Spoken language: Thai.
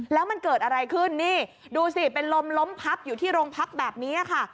แล้วมันเกิดอะไรขึ้นนี่ดูสิเป็นลมล้มพับอยู่ที่โรงพักแบบนี้ค่ะ